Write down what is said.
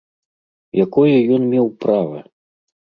Якое ён меў права?